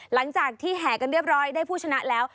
หลังจากที่แห่กันเรียบร้อยได้ผู้ชนะแล้ว